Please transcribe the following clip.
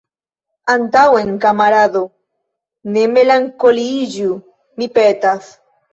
Antaŭen, kamarado! ne melankoliiĝu, mi petas.